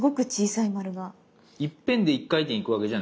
いっぺんで一回転いくわけじゃないんですね？